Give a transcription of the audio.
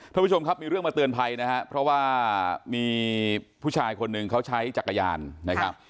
ท่านผู้ชมครับมีเรื่องมาเตือนภัยนะครับเพราะว่ามีผู้ชายคนหนึ่งเขาใช้จักรยานนะครับ